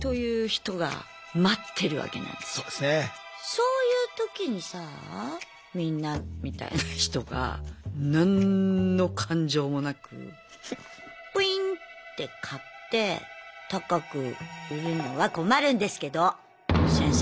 そういうときにさあみんなみたいな人が何の感情もなくプインッて買って高く売るのは困るんですけど先生。